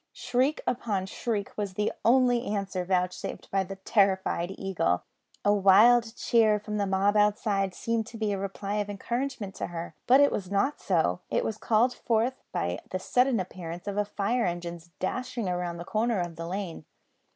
Shriek upon shriek was the only answer vouchsafed by the terrified Eagle. A wild cheer from the mob outside seemed to be a reply of encouragement to her; but it was not so; it was called forth by the sudden appearance of a fire engine dashing round the corner of the lane.